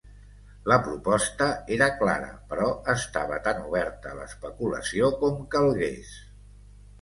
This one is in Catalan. La proposta era clara, però estava tan oberta a l'especulació com calgués.